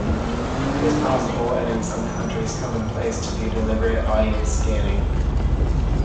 It is possible, and in some countries commonplace, to do deliberate audience scanning.